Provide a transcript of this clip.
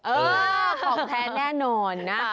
เออของแทนแน่นอนนะ